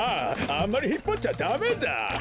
あんまりひっぱっちゃダメだ！